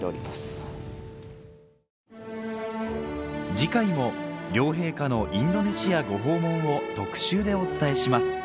次回も両陛下のインドネシアご訪問を特集でお伝えします